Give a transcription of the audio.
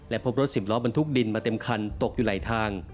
พบรถสิบล้อบรรทุกดินมาเต็มคันตกอยู่ไหลทาง